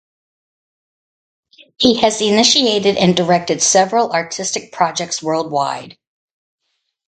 He has initiated and directed several artistic projects worldwide.